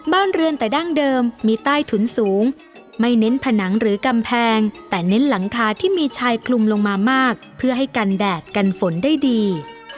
บ้านเรือนแต่ดั้งเดิมมีใต้ถุนสูงไม่เน้นผนังหรือกำแพงแต่เน้นหลังคาที่มีชายคลุมลงมามากเพื่อให้กันแดดกันฝนได้ดี